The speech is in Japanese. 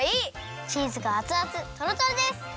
チーズがあつあつトロトロです！